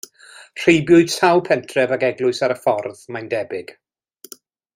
Rheibiwyd sawl pentref ac eglwys ar y ffordd, mae'n debyg.